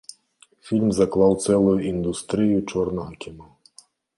Фільм заклаў цэлую індустрыю чорнага кіно.